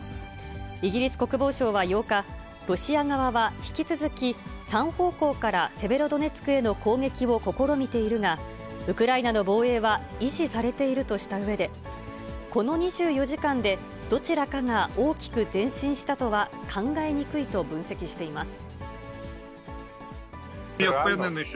イギリス国防省は８日、ロシア側は、引き続き３方向からセベロドネツクへの攻撃を試みているが、ウクライナの防衛は維持されているとしたうえで、この２４時間で、どちらかが大きく前進したとは考えにくいと分析しています。